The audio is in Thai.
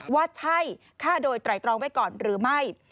ว่าใช่ฆ่าโดยไตรตรองไว้ก่อนหรือไม่